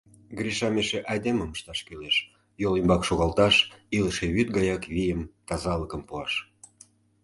Гришам эше айдемым ышташ кӱлеш, йол ӱмбак шогалташ, илыше вӱд гаяк вийым, тазалыкым пуаш.